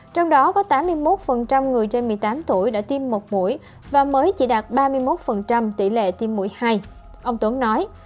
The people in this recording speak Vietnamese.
trong đó có tám mươi một người trên một mươi tám tuổi đã tiêm một mũi và mới chỉ đạt ba mươi một tỷ lệ tiêm mũi hai ông tuấn nói